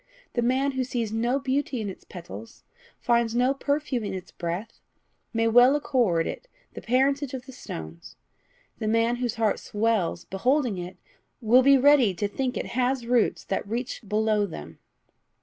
The man who sees no beauty in its petals, finds no perfume in its breath, may well accord it the parentage of the stones; the man whose heart swells beholding it will be ready to think it has roots that reach below them."